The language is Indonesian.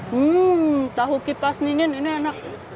hmm tahu kipas dingin ini enak